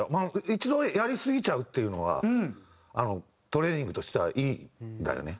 一度やりすぎちゃうっていうのはトレーニングとしてはいいんだよね。